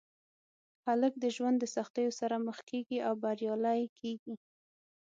هلک د ژوند د سختیو سره مخ کېږي او بریالی کېږي.